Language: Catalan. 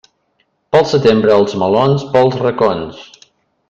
Pel setembre, els melons pels racons.